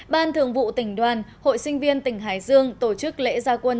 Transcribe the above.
ban thường vụ tỉnh đoàn hội sinh viên tỉnh hải dương tổ chức lễ gia quân